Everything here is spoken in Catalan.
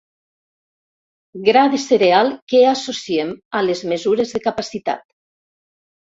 Gra de cereal que associem a les mesures de capacitat.